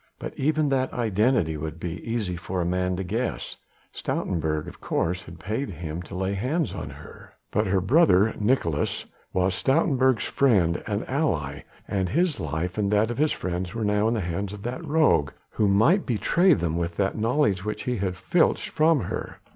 But even that identity would be easy for the man to guess. Stoutenburg, of course, had paid him to lay hands on her ... but her brother Nicolaes was Stoutenburg's friend and ally, and his life and that of his friends were now in the hands of that rogue, who might betray them with the knowledge which he had filched from her.